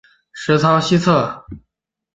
十仓西侧。